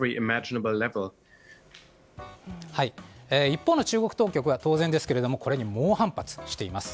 一方の中国当局は当然ですけれどもこれに猛反発しています。